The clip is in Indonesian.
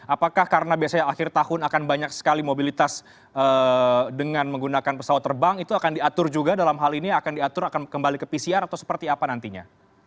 apakah karena biasanya akhir tahun akan banyak sekali mobilitas dengan menggunakan pesawat terbang itu akan diatur juga dalam hal ini akan diatur akan kembali ke pcr atau seperti apa nantinya